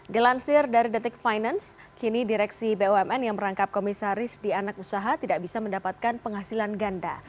dilansir dari detik finance kini direksi bumn yang merangkap komisaris di anak usaha tidak bisa mendapatkan penghasilan ganda